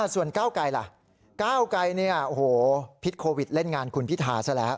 ส่วนก้าวไกลล่ะก้าวไกรพิษโควิดเล่นงานคุณพิธาซะแล้ว